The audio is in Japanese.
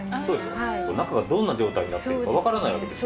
中がどんな状態になっているかわからないわけですよ。